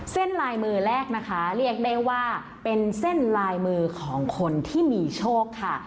เส้นลายมือแรกนะคะเรียกได้ว่าเป็นเส้นลายมือของคนที่มีโชคค่ะ